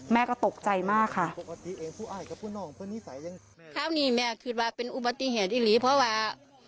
แม่ก็ตกใจมากค่ะ